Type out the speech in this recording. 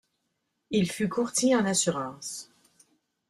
Il fut courtier en assurance.